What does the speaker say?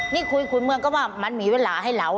นี่คุยขุนเมืองก็ว่ามันมีเวลาให้เรา